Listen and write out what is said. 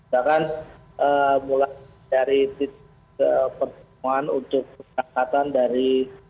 bahkan mulai dari perjemaah untuk perjamaah dari